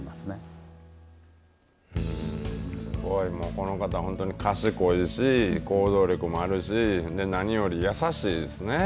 この方、本当に賢いし行動力もあるし何より優しいですね。